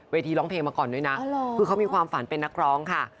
ทีร้องเพลงมาก่อนด้วยนะคือเขามีความฝันเป็นนักร้องค่ะ